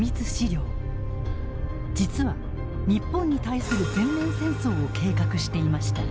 実は日本に対する全面戦争を計画していました。